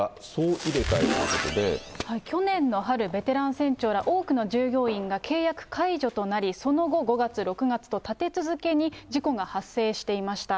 去年の春、ベテラン船長ら多くの従業員が契約解除となり、その後、５月、６月と立て続けに事故が発生していました。